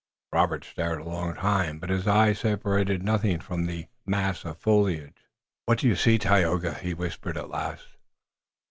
Robert stared a long time, but his eyes separated nothing from the mass of foliage. "What do you see, Tayoga?" he whispered at last.